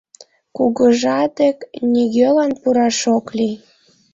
Кугыжа дек нигӧлан пураш ок лий!